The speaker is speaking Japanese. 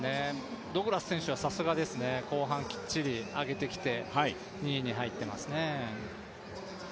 ド・グラス選手はさすがですね後半きっちり上げてきて２位に入ってますね。